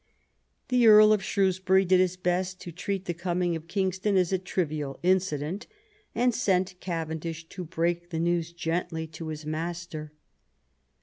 The Earl of Shrewsbury did his best to treat the coming of King ston as a trivial incident, and sent Cavendish to break the news gently to his master.